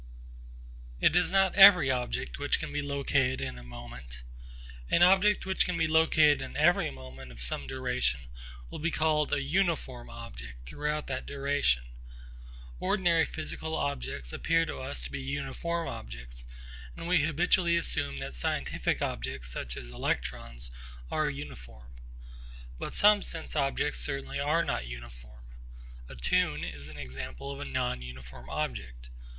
It is not every object which can be located in a moment. An object which can be located in every moment of some duration will be called a 'uniform' object throughout that duration. Ordinary physical objects appear to us to be uniform objects, and we habitually assume that scientific objects such as electrons are uniform. But some sense objects certainly are not uniform. A tune is an example of a non uniform object.